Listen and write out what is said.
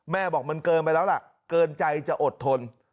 บอกมันเกินไปแล้วล่ะเกินใจจะอดทน